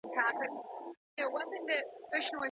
وترنري پوهنځۍ په زوره نه تحمیلیږي.